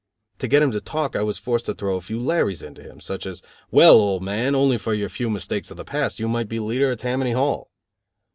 To get him to talk I was forced to throw a few "Larrys" into him, such as: "Well, old man, only for your few mistakes of the past, you might be leader of Tammany Hall."